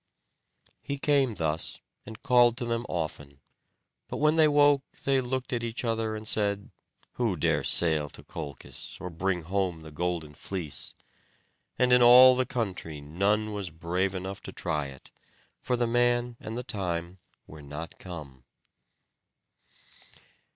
He came thus, and called to them often, but when they woke they looked at each other, and said: "Who dare sail to Colchis, or bring home the golden fleece?" And in all the country none was brave enough to try it; for the man and the time were not come.